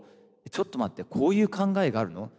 「ちょっと待ってこういう考えがあるの？」。